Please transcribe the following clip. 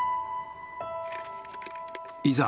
いざ